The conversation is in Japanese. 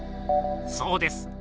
そうです。